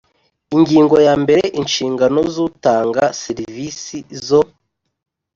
Ingingo yambere Inshingano z utanga serivisi zo